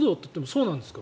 そうなんです。